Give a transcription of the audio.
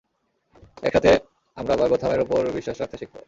একসাথে, আমরা আবার গোথামের ওপর বিশ্বাস রাখতে শিখব।